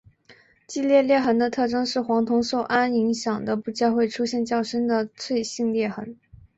季裂裂痕的特征是黄铜受氨影响的部件会出现较深的脆性裂痕。